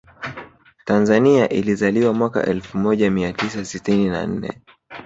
Tanzania ilizaliwa mwaka Elfu moja miatisa sitini na nne